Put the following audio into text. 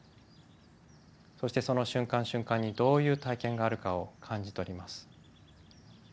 そしてその瞬間瞬間にどういう体験があるかを感じ取ります。